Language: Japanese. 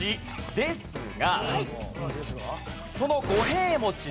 ですが。